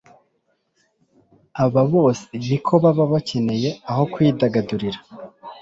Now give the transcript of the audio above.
Aba bose ni ko baba bakeneye aho kwidagadurira,